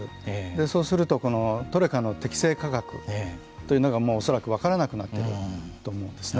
そうするとトレカの適正価格というのが恐らく分からなくなっていると思うんですね。